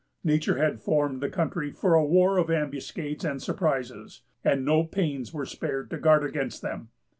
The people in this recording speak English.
Nature had formed the country for a war of ambuscades and surprises, and no pains were spared to guard against them.